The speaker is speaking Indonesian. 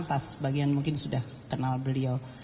tas bagian mungkin sudah kenal beliau